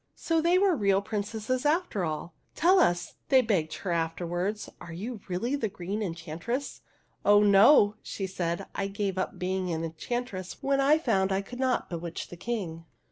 So they were real prin cesses, after all !" Tell us," they begged 68 THE HUNDREDTH PRINCESS her afterwards, " are you really the Green Enchantress ?"" Oh no," she said ;" I gave up being an enchantress when I found I could not bewitch the King."